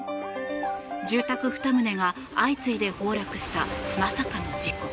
住宅２棟が相次いで崩落したまさかの事故。